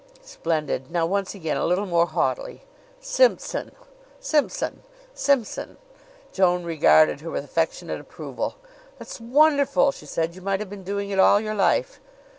"Splendid! Now once again a little more haughtily." "Simpson Simpson Simpson." Joan regarded her with affectionate approval. "It's wonderful!" she said. "You might have been doing it all your life."